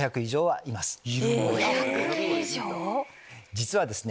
実はですね